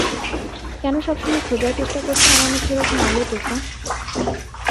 কেন সবসময় খোঁজার চেষ্টা করছো আমার মধ্যে একরকম আলো, টেসা?